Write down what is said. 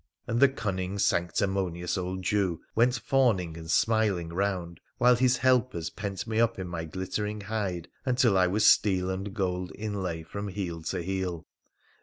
' And the cunning, sanctimonious old Jew went fawning and smiling round while his helpers pent me up in my glittering hide until I was steel and gold inlay from head to heel.